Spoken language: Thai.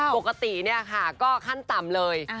ปกติเนี่ยค่ะก็ขั้นต่ำเลย